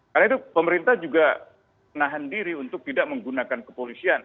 karena itu pemerintah juga nahan diri untuk tidak menggunakan kepolisian